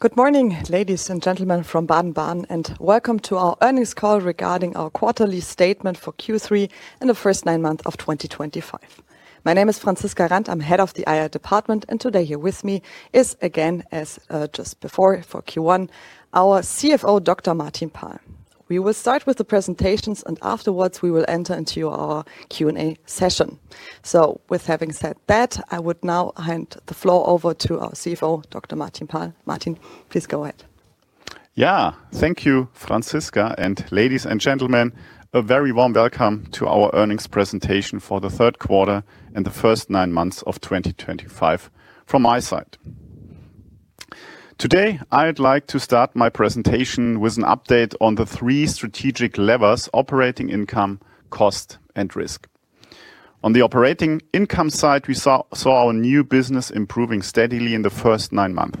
Good morning, ladies and gentlemen from Baden-Baden, and welcome to our earnings call regarding our quarterly statement for Q3 in the first nine months of 2025. My name is Franziska Randt, I'm Head of the IR department, and today here with me is, again, as just before for Q1, our CFO, Dr. Martin Paal. We will start with the presentations, and afterwards we will enter into our Q&A session. With having said that, I would now hand the floor over to our CFO, Dr. Martin Paal. Martin, please go ahead. Yeah, thank you, Franziska, and ladies and gentlemen, a very warm welcome to our earnings presentation for the third quarter and the first nine months of 2025 from my side. Today, I'd like to start my presentation with an update on the three strategic levers: operating income, cost, and risk. On the operating income side, we saw our new business improving steadily in the first nine months.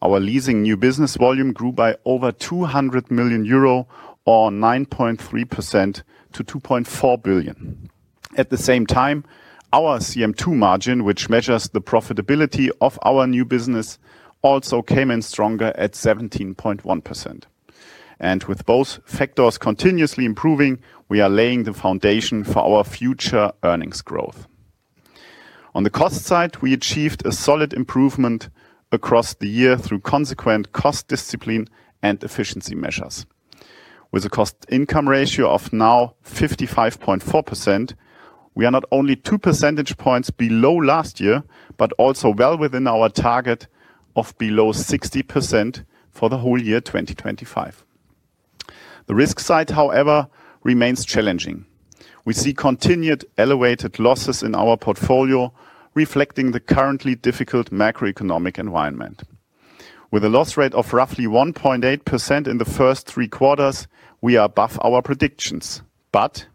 Our leasing new business volume grew by over 200 million euro, or 9.3%, to 2.4 billion. At the same time, our CM2 margin, which measures the profitability of our new business, also came in stronger at 17.1%. With both factors continuously improving, we are laying the foundation for our future earnings growth. On the cost side, we achieved a solid improvement across the year through consequent cost discipline and efficiency measures. With a cost-to-income ratio of now 55.4%, we are not only two percentage points below last year, but also well within our target of below 60% for the whole year 2025. The risk side, however, remains challenging. We see continued elevated losses in our portfolio, reflecting the currently difficult macroeconomic environment. With a loss rate of roughly 1.8% in the first three quarters, we are above our predictions, but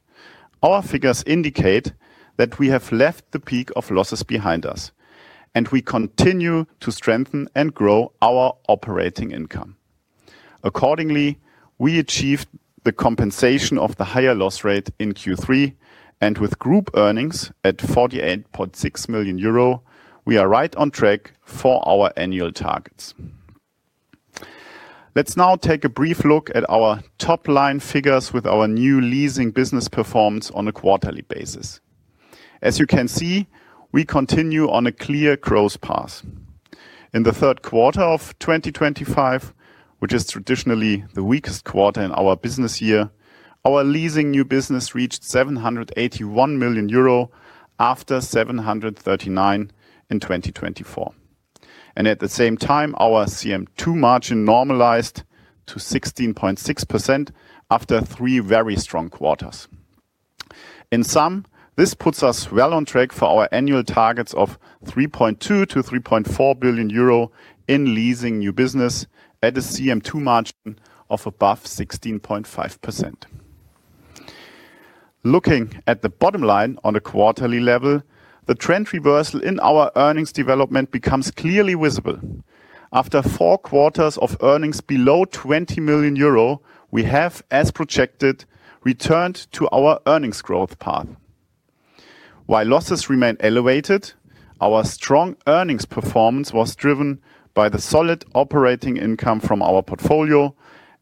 our figures indicate that we have left the peak of losses behind us, and we continue to strengthen and grow our operating income. Accordingly, we achieved the compensation of the higher loss rate in Q3, and with group earnings at 48.6 million euro, we are right on track for our annual targets. Let's now take a brief look at our top-line figures with our new leasing business performance on a quarterly basis. As you can see, we continue on a clear growth path. In the third quarter of 2025, which is traditionally the weakest quarter in our business year, our leasing new business reached 781 million euro after 739 million in 2024. At the same time, our CM2 margin normalized to 16.6% after three very strong quarters. In sum, this puts us well on track for our annual targets of 3.2 billion-3.4 billion euro in leasing new business at a CM2 margin of above 16.5%. Looking at the bottom line on a quarterly level, the trend reversal in our earnings development becomes clearly visible. After four quarters of earnings below 20 million euro, we have, as projected, returned to our earnings growth path. While losses remain elevated, our strong earnings performance was driven by the solid operating income from our portfolio,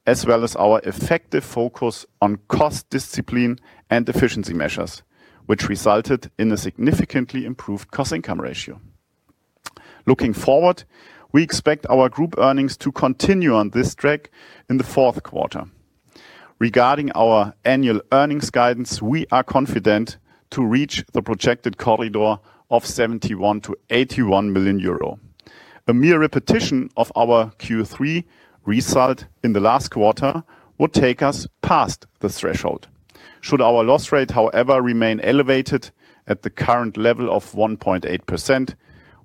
as well as our effective focus on cost discipline and efficiency measures, which resulted in a significantly improved cost-to-income ratio. Looking forward, we expect our group earnings to continue on this track in the fourth quarter. Regarding our annual earnings guidance, we are confident to reach the projected corridor of 71 million-81 million euro. A mere repetition of our Q3 result in the last quarter would take us past the threshold. Should our loss rate, however, remain elevated at the current level of 1.8%,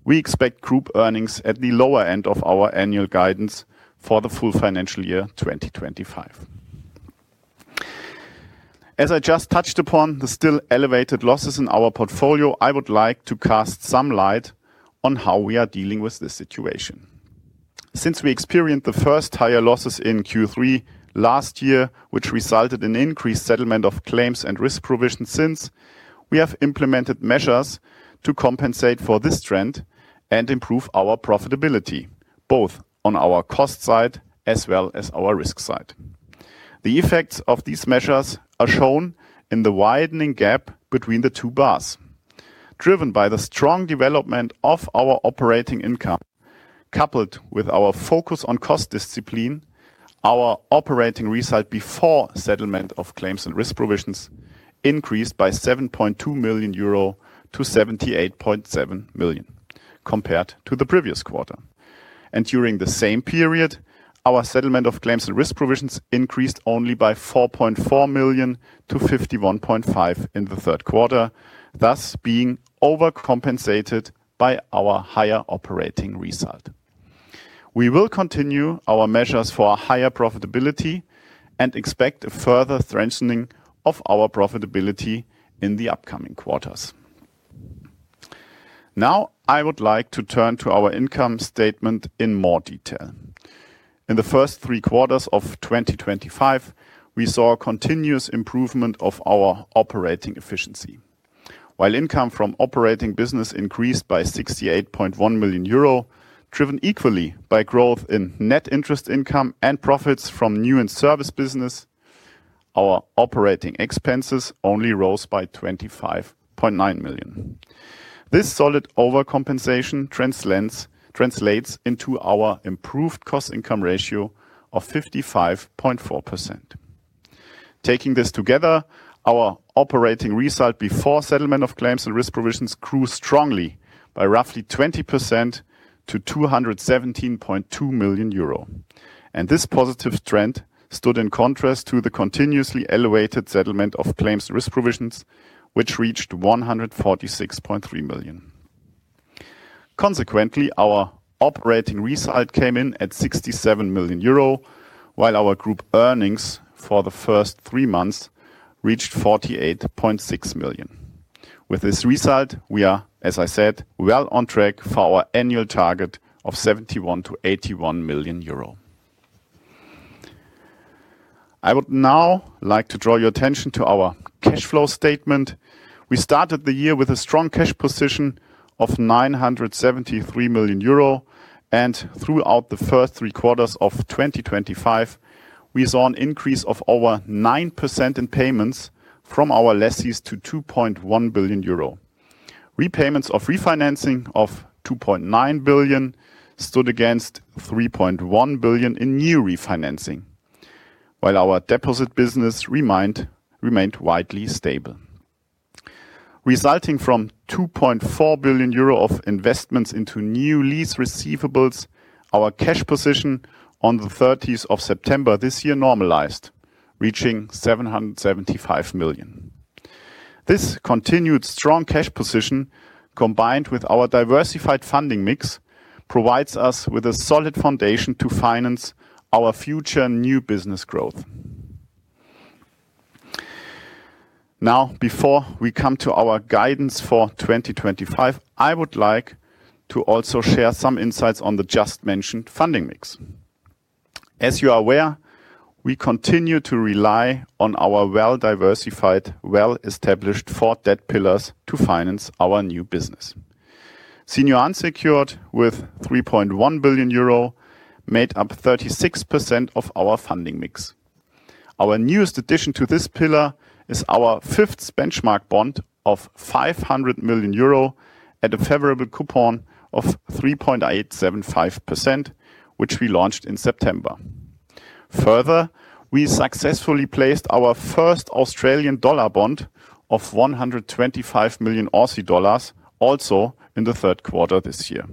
we expect group earnings at the lower end of our annual guidance for the full financial year 2025. As I just touched upon the still elevated losses in our portfolio, I would like to cast some light on how we are dealing with this situation. Since we experienced the first higher losses in Q3 last year, which resulted in increased settlement of claims and risk provision since, we have implemented measures to compensate for this trend and improve our profitability, both on our cost side as well as our risk side. The effects of these measures are shown in the widening gap between the two bars. Driven by the strong development of our operating income, coupled with our focus on cost discipline, our operating result before settlement of claims and risk provisions increased by 7.2 million euro to 78.7 million compared to the previous quarter. During the same period, our settlement of claims and risk provisions increased only by 4.4 million to 51.5 million in the third quarter, thus being overcompensated by our higher operating result. We will continue our measures for higher profitability and expect a further strengthening of our profitability in the upcoming quarters. Now, I would like to turn to our income statement in more detail. In the first three quarters of 2025, we saw a continuous improvement of our operating efficiency. While income from operating business increased by 68.1 million euro, driven equally by growth in net interest income and profits from new and service business, our operating expenses only rose by 25.9 million. This solid overcompensation translates into our improved cost-to-income ratio of 55.4%. Taking this together, our operating result before settlement of claims and risk provisions grew strongly by roughly 20% to 217.2 million euro. This positive trend stood in contrast to the continuously elevated settlement of claims and risk provisions, which reached 146.3 million. Consequently, our operating result came in at 67 million euro, while our group earnings for the first three months reached 48.6 million. With this result, we are, as I said, well on track for our annual target of 71-81 million euro. I would now like to draw your attention to our cash flow statement. We started the year with a strong cash position of 973 million euro, and throughout the first three quarters of 2025, we saw an increase of over 9% in payments from our lessees to 2.1 billion euro. Repayments of refinancing of 2.9 billion stood against 3.1 billion in new refinancing, while our deposit business remained widely stable. Resulting from 2.4 billion euro of investments into new lease receivables, our cash position on the 30th of September this year normalized, reaching 775 million. This continued strong cash position, combined with our diversified funding mix, provides us with a solid foundation to finance our future new business growth. Now, before we come to our guidance for 2025, I would like to also share some insights on the just-mentioned funding mix. As you are aware, we continue to rely on our well-diversified, well-established four debt pillars to finance our new business. Senior Unsecured with 3.1 billion euro made up 36% of our funding mix. Our newest addition to this pillar is our fifth benchmark bond of 500 million euro at a favorable coupon of 3.875%, which we launched in September. Further, we successfully placed our first Australian dollar bond of 125 million Aussie dollars also in the third quarter this year,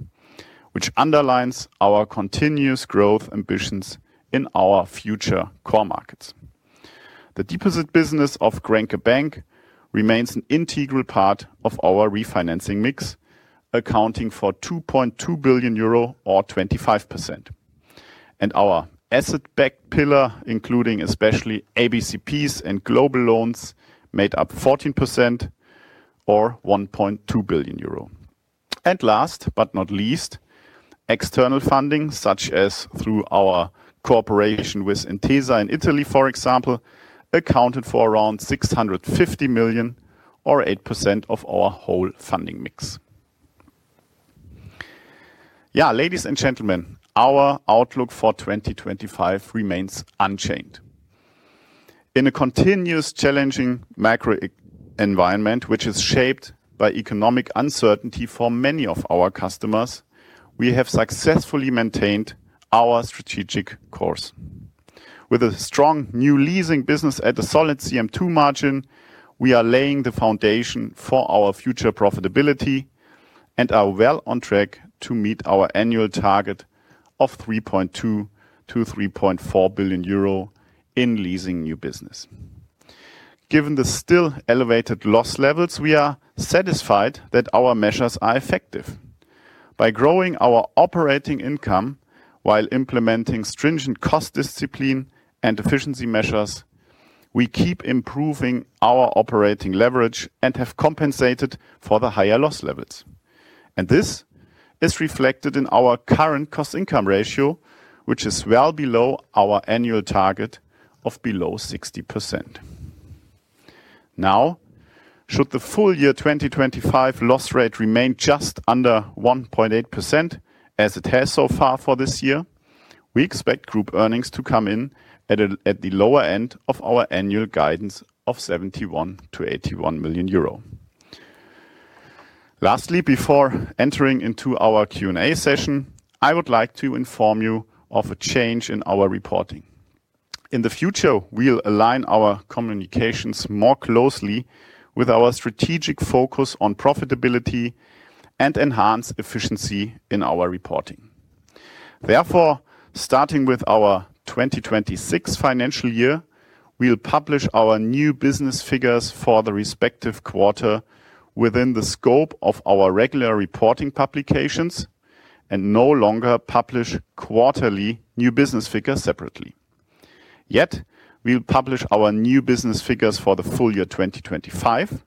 which underlines our continuous growth ambitions in our future core markets. The deposit business of Grenke Bank remains an integral part of our refinancing mix, accounting for 2.2 billion euro, or 25%. Our asset-backed pillar, including especially ABCPs and global loans, made up 14%, or 1.2 billion euro. Last but not least, external funding, such as through our cooperation with Intesa in Italy, for example, accounted for around 650 million, or 8% of our whole funding mix. Yeah, ladies and gentlemen, our outlook for 2025 remains unchanged. In a continuous challenging macro environment, which is shaped by economic uncertainty for many of our customers, we have successfully maintained our strategic course. With a strong new leasing business at a solid CM2 margin, we are laying the foundation for our future profitability and are well on track to meet our annual target of 3.2-3.4 billion euro in leasing new business. Given the still elevated loss levels, we are satisfied that our measures are effective. By growing our operating income while implementing stringent cost discipline and efficiency measures, we keep improving our operating leverage and have compensated for the higher loss levels. This is reflected in our current cost-to-income ratio, which is well below our annual target of below 60%. Now, should the full year 2025 loss rate remain just under 1.8%, as it has so far for this year, we expect group earnings to come in at the lower end of our annual guidance of 71 million-81 million euro. Lastly, before entering into our Q&A session, I would like to inform you of a change in our reporting. In the future, we will align our communications more closely with our strategic focus on profitability and enhance efficiency in our reporting. Therefore, starting with our 2026 financial year, we will publish our new business figures for the respective quarter within the scope of our regular reporting publications and no longer publish quarterly new business figures separately. Yet, we will publish our new business figures for the full year 2025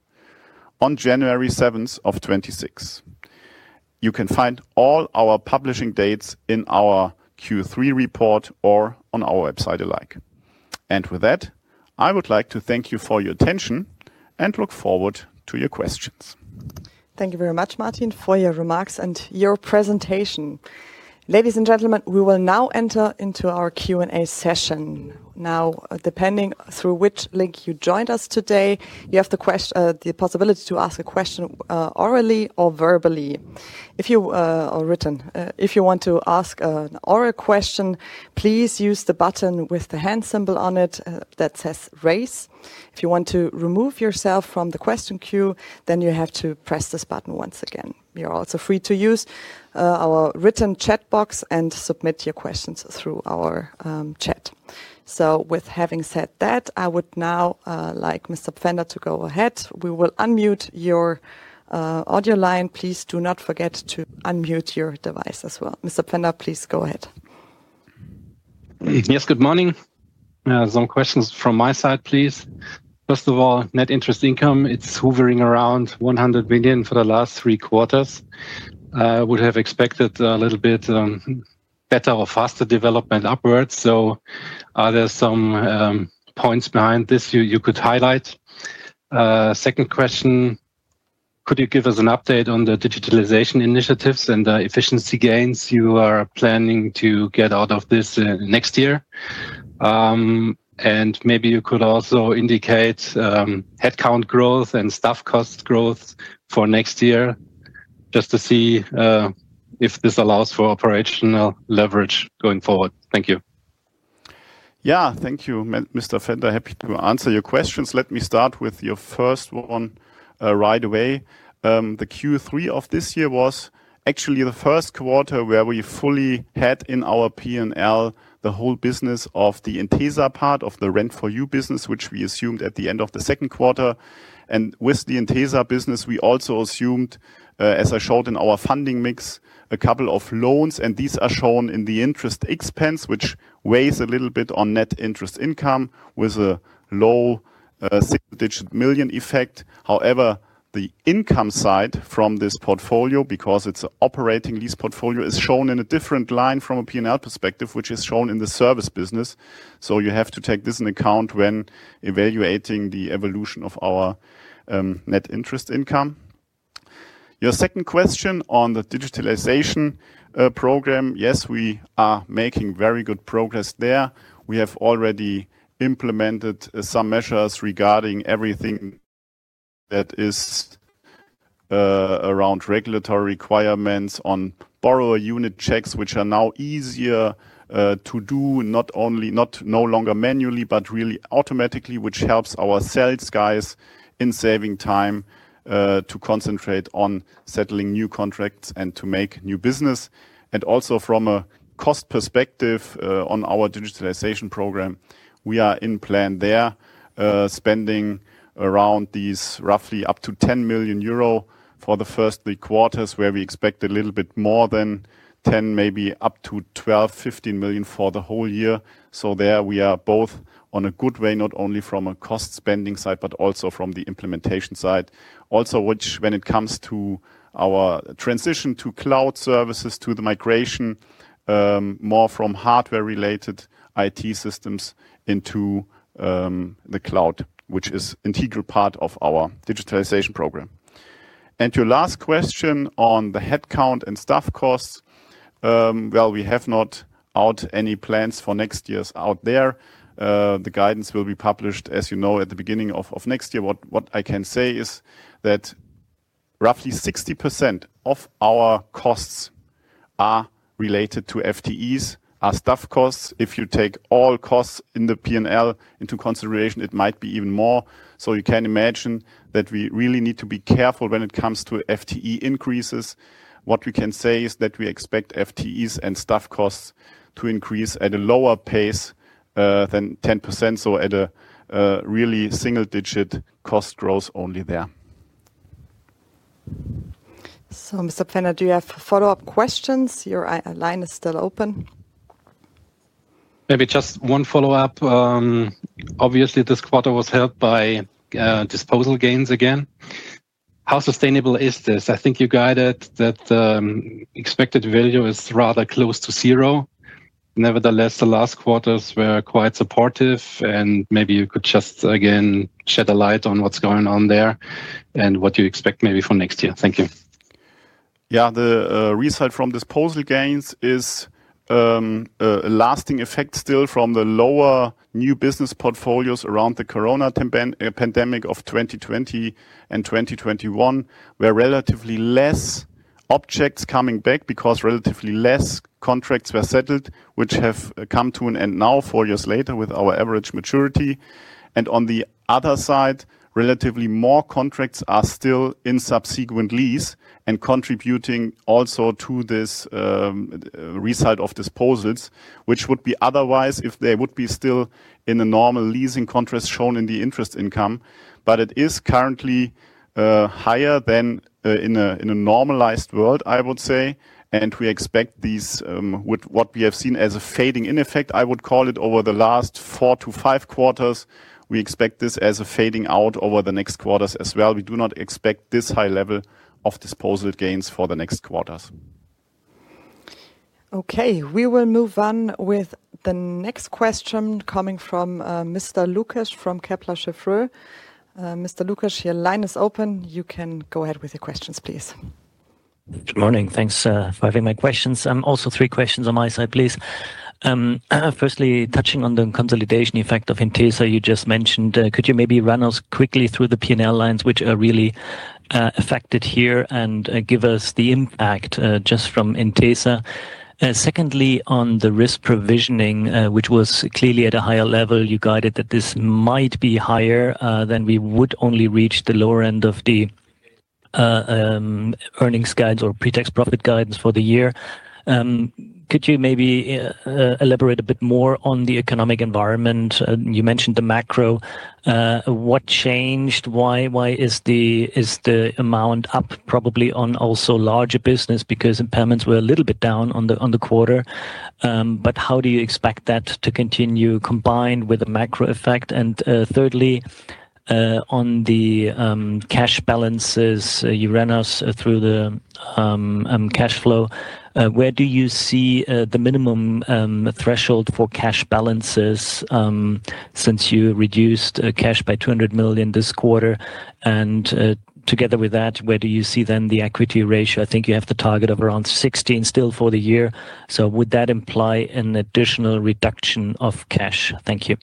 on January 7th of 2026. You can find all our publishing dates in our Q3 report or on our website alike. I would like to thank you for your attention and look forward to your questions. Thank you very much, Martin, for your remarks and your presentation. Ladies and gentlemen, we will now enter into our Q&A session. Now, depending on through which link you joined us today, you have the possibility to ask a question orally or verbally. If you want to ask an oral question, please use the button with the hand symbol on it that says "Raise." If you want to remove yourself from the question queue, then you have to press this button once again. You are also free to use our written chat box and submit your questions through our chat. With having said that, I would now like Mr. Fender to go ahead. We will unmute your audio line. Please do not forget to unmute your device as well. Mr. Fender, please go ahead. Yes, good morning. Some questions from my side, please. First of all, net interest income, it is hovering around 100 million for the last three quarters. We would have expected a little bit better or faster development upwards. Are there some points behind this you could highlight? Second question, could you give us an update on the digitalization initiatives and the efficiency gains you are planning to get out of this next year? And maybe you could also indicate headcount growth and staff cost growth for next year, just to see if this allows for operational leverage going forward. Thank you. Yeah, thank you, Mr. Fender. Happy to answer your questions. Let me start with your first one right away. The Q3 of this year was actually the first quarter where we fully had in our P&L the whole business of the Intesa part of the Rent for You business, which we assumed at the end of the second quarter. And with the Intesa business, we also assumed, as I showed in our funding mix, a couple of loans. These are shown in the interest expense, which weighs a little bit on net interest income with a low single-digit million effect. However, the income side from this portfolio, because it is an operating lease portfolio, is shown in a different line from a P&L perspective, which is shown in the service business. You have to take this into account when evaluating the evolution of our net interest income. Your second question on the digitalization program, yes, we are making very good progress there. We have already implemented some measures regarding everything that is around regulatory requirements on borrower unit checks, which are now easier to do, not only no longer manually, but really automatically, which helps our sales guys in saving time to concentrate on settling new contracts and to make new business. From a cost perspective on our digitalization program, we are in plan there spending around these roughly up to 10 million euro for the first three quarters, where we expect a little bit more than 10 million, maybe up to 12 million-15 million for the whole year. We are both on a good way, not only from a cost spending side, but also from the implementation side. Also, when it comes to our transition to cloud services, to the migration more from hardware-related IT systems into the cloud, which is an integral part of our digitalization program. Your last question on the headcount and staff costs, we have not out any plans for next year out there. The guidance will be published, as you know, at the beginning of next year. What I can say is that roughly 60% of our costs are related to FTEs, our staff costs. If you take all costs in the P&L into consideration, it might be even more. You can imagine that we really need to be careful when it comes to FTE increases. What we can say is that we expect FTEs and staff costs to increase at a lower pace than 10%, so at a really single-digit cost growth only there. Mr. Fender, do you have follow-up questions? Your line is still open. Maybe just one follow-up. Obviously, this quarter was held by disposal gains again. How sustainable is this? I think you guided that expected value is rather close to zero. Nevertheless, the last quarters were quite supportive. Maybe you could just again shed a light on what's going on there and what you expect maybe for next year. Thank you. Yeah, the result from disposal gains is a lasting effect still from the lower new business portfolios around the corona pandemic of 2020 and 2021, where relatively less objects coming back because relatively less contracts were settled, which have come to an end now four years later with our average maturity. On the other side, relatively more contracts are still in subsequent lease and contributing also to this result of disposals, which would be otherwise if they would be still in a normal leasing contract shown in the interest income. It is currently higher than in a normalized world, I would say. We expect these, what we have seen as a fading in effect, I would call it, over the last four to five quarters. We expect this as a fading out over the next quarters as well. We do not expect this high level of disposal gains for the next quarters. Okay, we will move on with the next question coming from Mr. Lukas from Kepler Cheuvreux. Mr. Lukas, your line is open. You can go ahead with your questions, please. Good morning. Thanks for having my questions. Also, three questions on my side, please. Firstly, touching on the consolidation effect of Intesa, you just mentioned, could you maybe run us quickly through the P&L lines, which are really affected here and give us the impact just from Intesa? Secondly, on the risk provisioning, which was clearly at a higher level, you guided that this might be higher than we would only reach the lower end of the earnings guides or pre-tax profit guidance for the year. Could you maybe elaborate a bit more on the economic environment? You mentioned the macro. What changed? Why is the amount up probably on also larger business because impairments were a little bit down on the quarter? How do you expect that to continue combined with a macro effect? Thirdly, on the cash balances, you ran us through the cash flow. Where do you see the minimum threshold for cash balances since you reduced cash by 200 million this quarter? Together with that, where do you see then the equity ratio? I think you have the target of around 16% still for the year. Would that imply an additional reduction of cash? Thank you.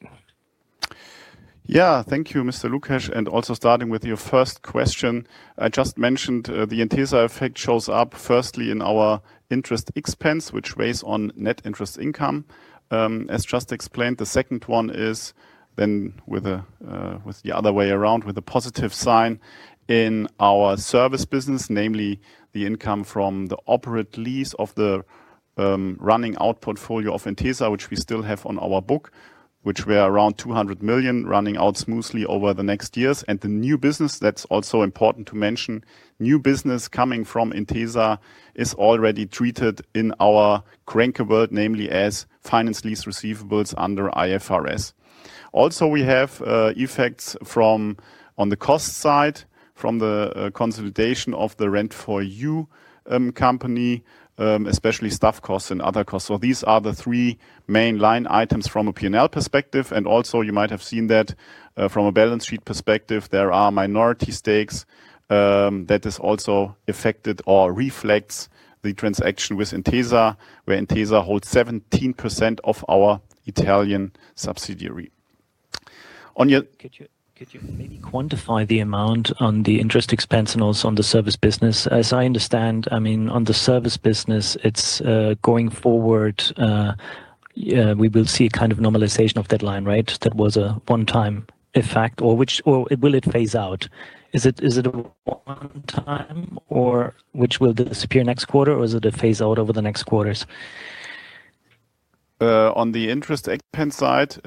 Yeah, thank you, Mr. Lukas. Also starting with your first question, I just mentioned the Intesa effect shows up firstly in our interest expense, which weighs on net interest income. As just explained, the second one is then with the other way around, with a positive sign in our service business, namely the income from the operating lease of the running out portfolio of Intesa, which we still have on our book, which were around 200 million running out smoothly over the next years. The new business, that's also important to mention, new business coming from Intesa is already treated in our Grenke world, namely as finance lease receivables under IFRS. Also, we have effects from on the cost side from the consolidation of the Rent for You company, especially staff costs and other costs. These are the three main line items from a P&L perspective. You might have seen that from a balance sheet perspective, there are minority stakes that is also affected or reflects the transaction with Intesa, where Intesa holds 17% of our Italian subsidiary. Could you maybe quantify the amount on the interest expense and also on the service business? As I understand, I mean, on the service business, going forward, we will see a kind of normalization of deadline, right? That was a one-time effect, or will it phase out? Is it a one-time or which will disappear next quarter, or is it a phase out over the next quarters? On the interest expense side,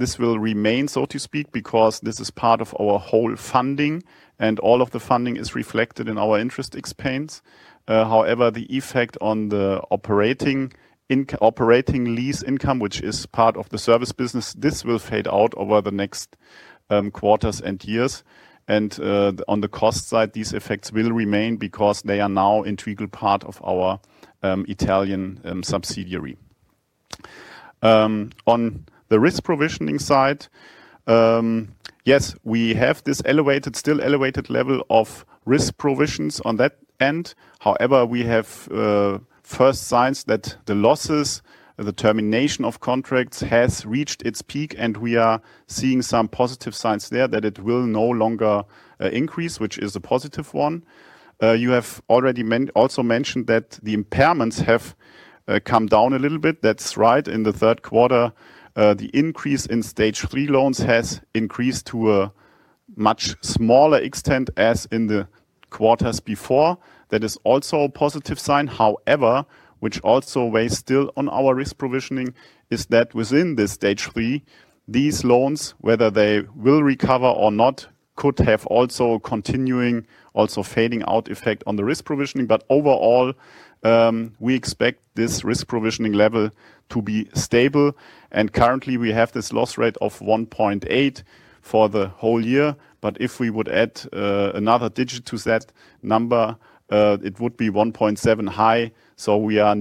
this will remain, so to speak, because this is part of our whole funding and all of the funding is reflected in our interest expense. However, the effect on the operating lease income, which is part of the service business, this will fade out over the next quarters and years. On the cost side, these effects will remain because they are now integral part of our Italian subsidiary. On the risk provisioning side, yes, we have this elevated, still elevated level of risk provisions on that end. However, we have first signs that the losses, the termination of contracts has reached its peak, and we are seeing some positive signs there that it will no longer increase, which is a positive one. You have already also mentioned that the impairments have come down a little bit. That's right. In the third quarter, the increase in stage three loans has increased to a much smaller extent as in the quarters before. That is also a positive sign. However, which also weighs still on our risk provisioning, is that within this stage three, these loans, whether they will recover or not, could have also continuing also fading out effect on the risk provisioning. Overall, we expect this risk provisioning level to be stable. Currently, we have this loss rate of 1.8% for the whole year. If we would add another digit to that number, it would be 1.7 high. We are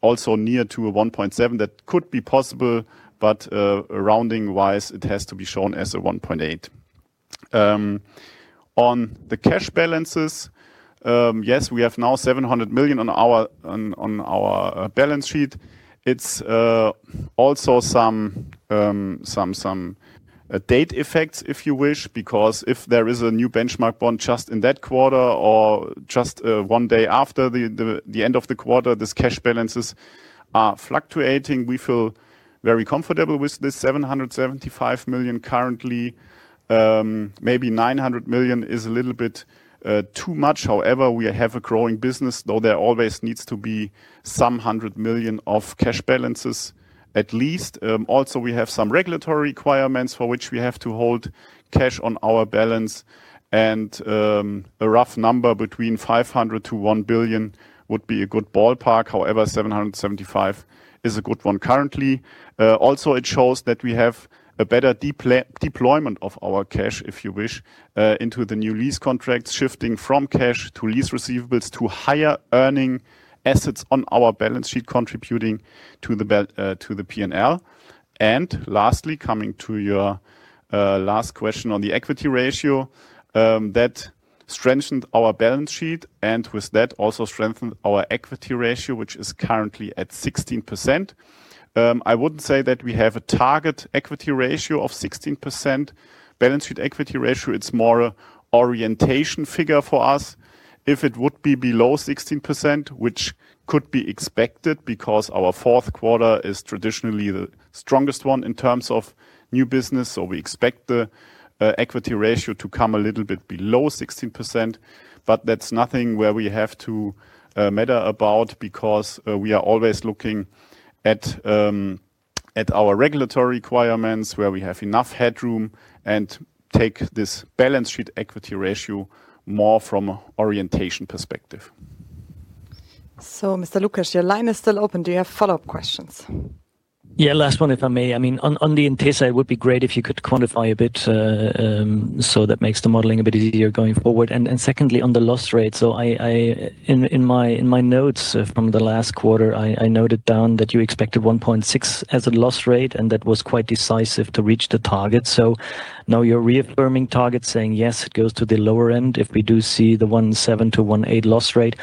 also near to 1.7. That could be possible, but rounding-wise, it has to be shown as a 1.8%. On the cash balances, yes, we have now 700 million on our balance sheet. It is also some date effects, if you wish, because if there is a new benchmark bond just in that quarter or just one day after the end of the quarter, these cash balances are fluctuating. We feel very comfortable with this 775 million currently. Maybe 900 million is a little bit too much. However, we have a growing business, though there always needs to be some 100 million of cash balances at least. Also, we have some regulatory requirements for which we have to hold cash on our balance. A rough number between 500 million-1 billion would be a good ballpark. However, 775 million is a good one currently. It shows that we have a better deployment of our cash, if you wish, into the new lease contracts, shifting from cash to lease receivables to higher earning assets on our balance sheet contributing to the P&L. Lastly, coming to your last question on the equity ratio, that strengthened our balance sheet and with that also strengthened our equity ratio, which is currently at 16%. I wouldn't say that we have a target equity ratio of 16%. Balance sheet equity ratio, it's more an orientation figure for us. If it would be below 16%, which could be expected because our fourth quarter is traditionally the strongest one in terms of new business. We expect the equity ratio to come a little bit below 16%. That is nothing where we have to matter about because we are always looking at our regulatory requirements where we have enough headroom and take this balance sheet equity ratio more from an orientation perspective. Mr. Lukas, your line is still open. Do you have follow-up questions? Yeah, last one, if I may. I mean, on the Intesa, it would be great if you could quantify a bit. That makes the modeling a bit easier going forward. Secondly, on the loss rate. In my notes from the last quarter, I noted down that you expected 1.6% as a loss rate, and that was quite decisive to reach the target. Now you're reaffirming targets, saying yes, it goes to the lower end if we do see the 1.7%-1.8% loss rate.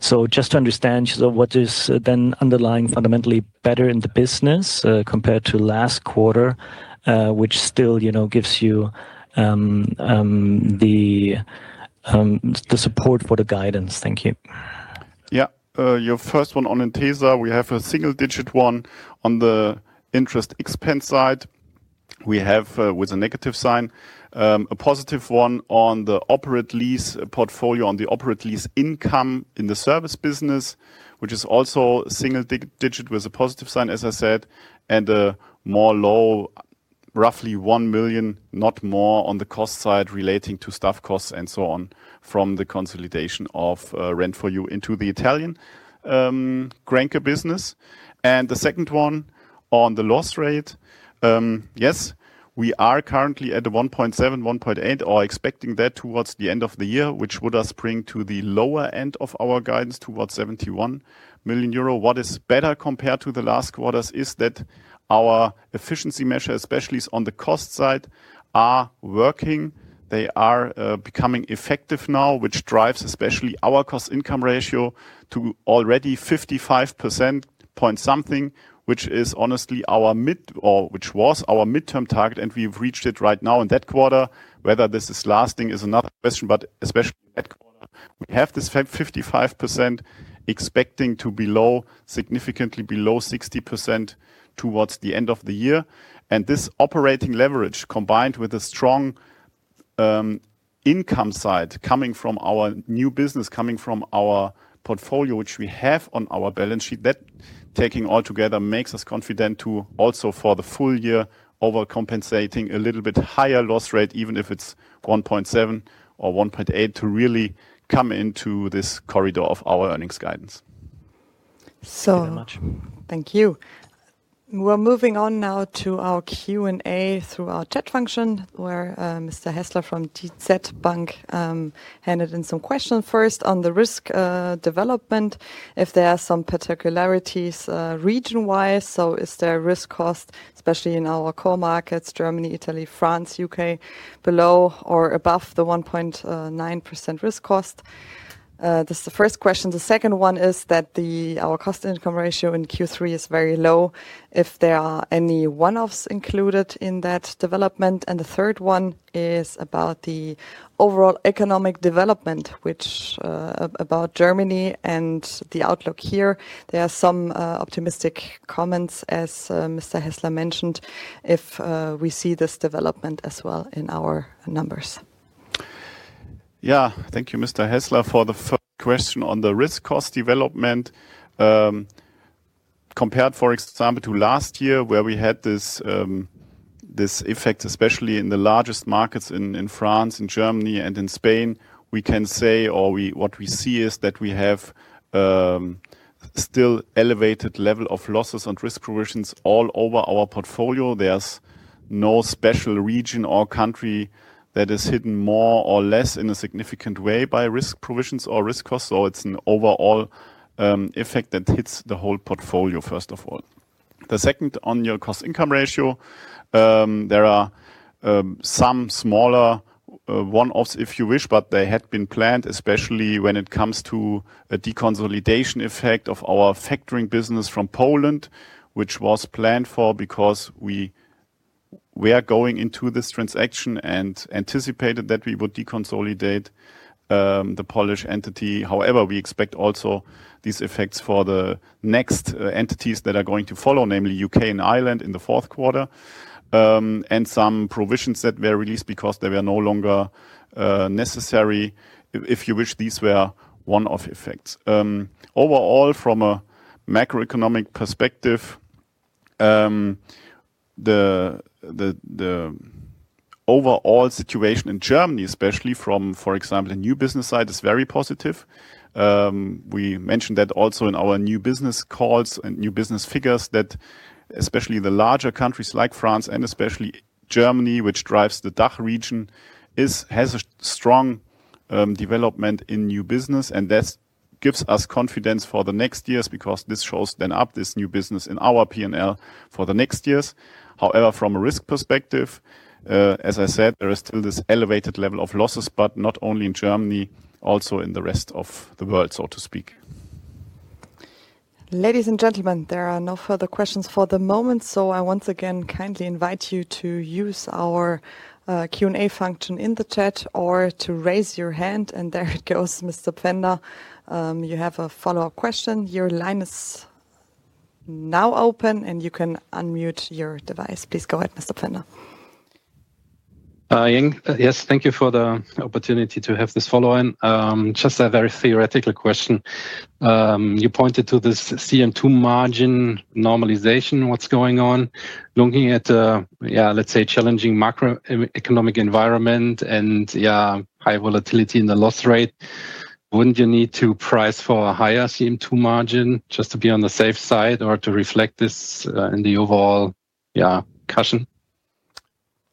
Just to understand, what is then underlying fundamentally better in the business compared to last quarter, which still gives you the support for the guidance? Thank you. Yeah, your first one on Intesa, we have a single-digit one on the interest expense side. We have with a negative sign, a positive one on the operating lease portfolio, on the operating lease income in the service business, which is also a single digit with a positive sign, as I said, and a more low, roughly 1 million, not more on the cost side relating to staff costs and so on from the consolidation of Rent for You into the Italian Grenke business. The second one on the loss rate, yes, we are currently at a 1.7%-1.8%, or expecting that towards the end of the year, which would bring us to the lower end of our guidance towards 71 million euro. What is better compared to the last quarters is that our efficiency measures, especially on the cost side, are working. They are becoming effective now, which drives especially our cost-to-income ratio to already 55% point something, which is honestly our mid or which was our midterm target, and we've reached it right now in that quarter. Whether this is lasting is another question, but especially in that quarter, we have this 55% expecting to be low, significantly below 60% towards the end of the year. This operating leverage combined with a strong income side coming from our new business, coming from our portfolio, which we have on our balance sheet, that taking all together makes us confident to also for the full year overcompensating a little bit higher loss rate, even if it's 1.7% or 1.8%, to really come into this corridor of our earnings guidance. Thank you. We're moving on now to our Q&A through our chat function, where Mr. Hessler from TZ Bank handed in some questions, first on the risk development. If there are some particularities region-wise, so is there risk cost, especially in our core markets, Germany, Italy, France, U.K., below or above the 1.9% risk cost? This is the first question. The second one is that our cost-income ratio in Q3 is very low if there are any one-offs included in that development. The third one is about the overall economic development, which about Germany and the outlook here. There are some optimistic comments, as Mr. Hessler mentioned, if we see this development as well in our numbers. Yeah, thank you, Mr. Hessler, for the first question on the risk cost development. Compared, for example, to last year, where we had this effect, especially in the largest markets in France, in Germany, and in Spain, we can say, or what we see is that we have still elevated level of losses on risk provisions all over our portfolio. There is no special region or country that is hit more or less in a significant way by risk provisions or risk costs. It is an overall effect that hits the whole portfolio, first of all. The second on your cost-income ratio, there are some smaller one-offs, if you wish, but they had been planned, especially when it comes to a deconsolidation effect of our factoring business from Poland, which was planned for because we were going into this transaction and anticipated that we would deconsolidate the Polish entity. However, we expect also these effects for the next entities that are going to follow, namely U.K. and Ireland in the fourth quarter, and some provisions that were released because they were no longer necessary, if you wish, these were one-off effects. Overall, from a macroeconomic perspective, the overall situation in Germany, especially from, for example, the new business side, is very positive. We mentioned that also in our new business calls and new business figures that especially the larger countries like France and especially Germany, which drives the DACH region, has a strong development in new business. That gives us confidence for the next years because this shows then up this new business in our P&L for the next years. However, from a risk perspective, as I said, there is still this elevated level of losses, but not only in Germany, also in the rest of the world, so to speak. Ladies and gentlemen, there are no further questions for the moment. I once again kindly invite you to use our Q&A function in the chat or to raise your hand. There it goes, Mr. Fender. You have a follow-up question. Your line is now open, and you can unmute your device. Please go ahead, Mr. Fender. Yes, thank you for the opportunity to have this follow-on. Just a very theoretical question. You pointed to this CM2 margin normalization, what's going on? Looking at, yeah, let's say, challenging macroeconomic environment and, yeah, high volatility in the loss rate, wouldn't you need to price for a higher CM2 margin just to be on the safe side or to reflect this in the overall, yeah, cushion?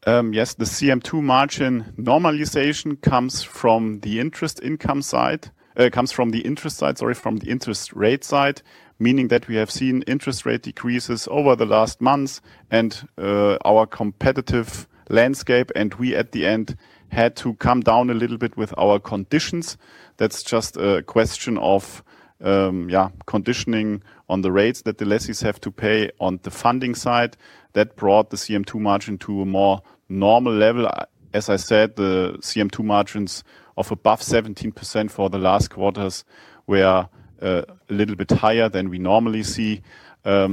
Yes, the CM2 margin normalization comes from the interest income side, comes from the interest side, sorry, from the interest rate side, meaning that we have seen interest rate decreases over the last months and our competitive landscape. We at the end had to come down a little bit with our conditions. That's just a question of, yeah, conditioning on the rates that the lessees have to pay on the funding side that brought the CM2 margin to a more normal level. As I said, the CM2 margins of above 17% for the last quarters were a little bit higher than we normally see. That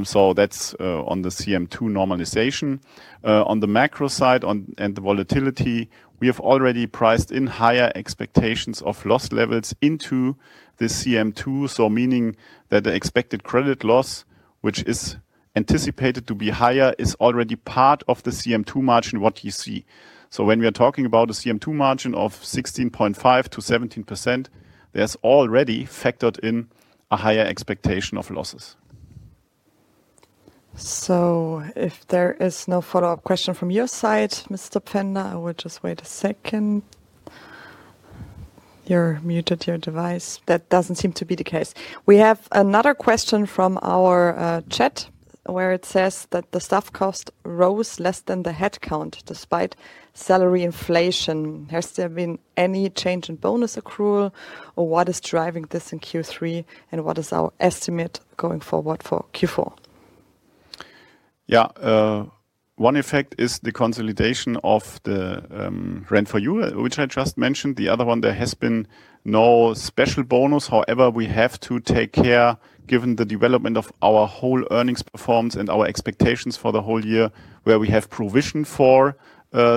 is on the CM2 normalization. On the macro side and the volatility, we have already priced in higher expectations of loss levels into the CM2. Meaning that the expected credit loss, which is anticipated to be higher, is already part of the CM2 margin, what you see. When we are talking about the CM2 margin of 16.5%-17%, there is already factored in a higher expectation of losses. If there is no follow-up question from your side, Mr. Fender, I will just wait a second. You are muted your device. That does not seem to be the case. We have another question from our chat where it says that the staff cost rose less than the headcount despite salary inflation. Has there been any change in bonus accrual or what is driving this in Q3 and what is our estimate going forward for Q4? Yeah, one effect is the consolidation of the Rent for You, which I just mentioned. The other one, there has been no special bonus. However, we have to take care given the development of our whole earnings performance and our expectations for the whole year where we have provision for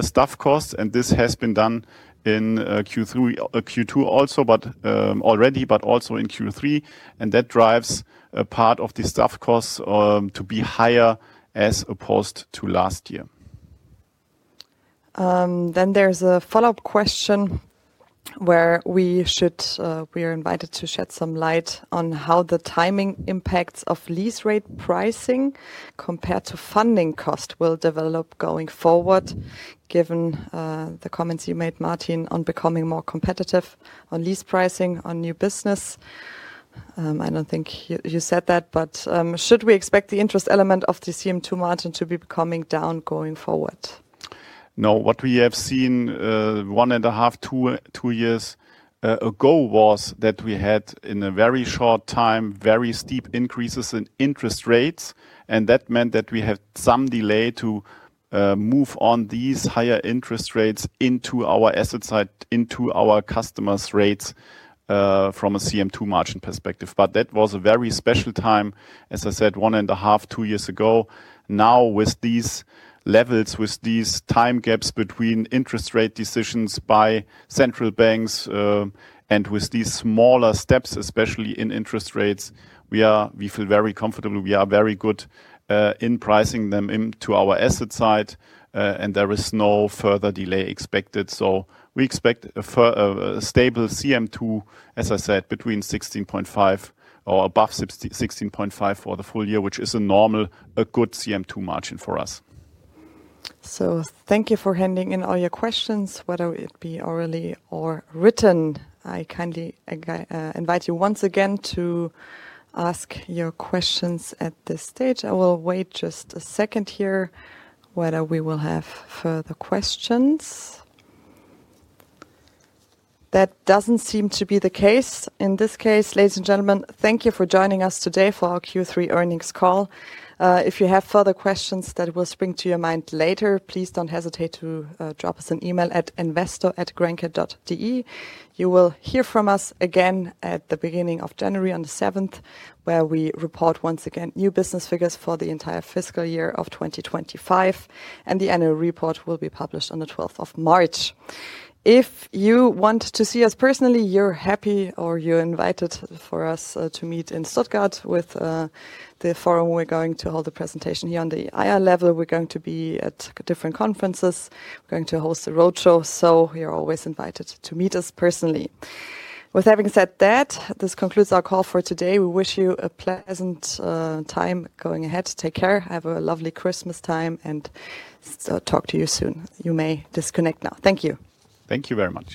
staff costs. This has been done in Q2 also, but already, but also in Q3. That drives a part of the staff costs to be higher as opposed to last year. There is a follow-up question where we should, we are invited to shed some light on how the timing impacts of lease rate pricing compared to funding cost will develop going forward given the comments you made, Martin, on becoming more competitive on lease pricing on new business. I don't think you said that, but should we expect the interest element of the CM2 margin to be coming down going forward? No, what we have seen one and a half, two years ago was that we had in a very short time, very steep increases in interest rates. That meant that we had some delay to move on these higher interest rates into our asset side, into our customers' rates from a CM2 margin perspective. That was a very special time, as I said, one and a half, two years ago. Now with these levels, with these time gaps between interest rate decisions by central banks and with these smaller steps, especially in interest rates, we feel very comfortable. We are very good in pricing them into our asset side. There is no further delay expected. We expect a stable CM2, as I said, between 16.5 or above 16.5 for the full year, which is a normal, a good CM2 margin for us. Thank you for handing in all your questions, whether it be orally or written. I kindly invite you once again to ask your questions at this stage. I will wait just a second here whether we will have further questions. That does not seem to be the case in this case. Ladies and gentlemen, thank you for joining us today for our Q3 earnings call. If you have further questions that will spring to your mind later, please do not hesitate to drop us an email at investor@grenke.de. You will hear from us again at the beginning of January on the 7th, where we report once again new business figures for the entire fiscal year of 2025. The annual report will be published on the 12th of March. If you want to see us personally, you're happy or you're invited for us to meet in Stuttgart with the forum. We're going to hold the presentation here on the IR level. We're going to be at different conferences. We're going to host the roadshow. You're always invited to meet us personally. With having said that, this concludes our call for today. We wish you a pleasant time going ahead. Take care. Have a lovely Christmas time and talk to you soon. You may disconnect now. Thank you. Thank you very much.